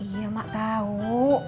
iya mak tau